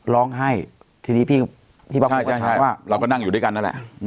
ร้องให้ทีนี้พี่พี่พ่อพูดมาถามว่าเราก็นั่งอยู่ด้วยกันนั่นแหละ